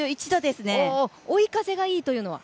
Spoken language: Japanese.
追い風がいいというのは？